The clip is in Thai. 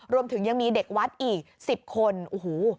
รวมถึงยังมีเด็กวัดอีก๑๐คนโอ้โห